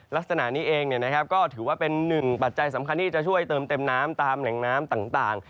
ลักษณะนี้เองก็ถือว่าเป็นหนึ่งปัจจัยสำคัญที่จะช่วยเติมเต็มน้ำตามแหล่งน้ำต่าง